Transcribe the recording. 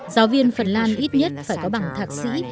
giáo viên phần lan ít nhất phải có bằng thạc sĩ